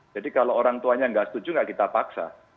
jadi kalau orang tuanya tidak setuju tidak kita paksa